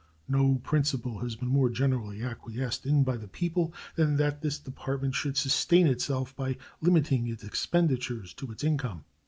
No principle has been more generally acquiesced in by the people than that this Department should sustain itself by limiting its expenditures to its income.